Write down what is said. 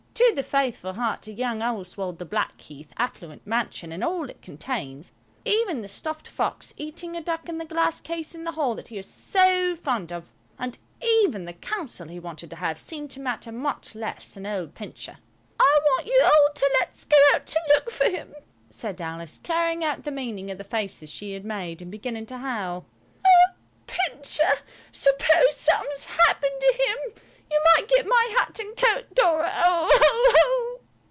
To the faithful heart of young Oswald the Blackheath affluent mansion and all it contains, even the stuffed fox eating a duck in the glass case in the hall that he is so fond of, and even the council he wanted to have, seemed to matter much less than old Pincher. "I want you all to let's go out and look for him," said Alice, carrying out the meaning of the faces she had made and beginning to howl. "Oh, Pincher, suppose something happens to him; you might get my hat and coat, Dora. Oh, oh, oh!"